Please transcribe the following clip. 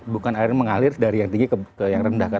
bukan air mengalir dari yang tinggi ke yang rendah kan